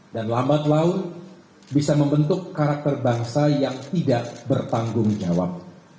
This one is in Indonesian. dan lambat laun bisa membentuk karakter bangsa yang tidak bertanggung jawab